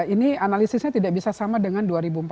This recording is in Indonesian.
ini analisisnya tidak bisa sama dengan dua ribu empat belas